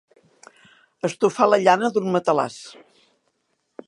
Estufar la llana d'un matalàs.